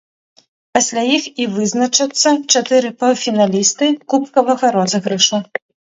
Пасля іх і вызначацца чатыры паўфіналісты кубкавага розыгрышу.